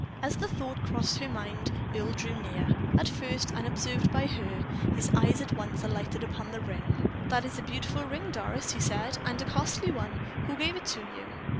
As the thought crossed her mind Earle drew near, at first unobserved by her. His eye at once alighted upon the ring. "That is a beautiful ring, Doris," he said, "and a costly one. Who gave it to you?"